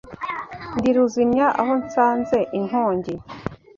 Ndi Ruzimya aho nsanze inkongi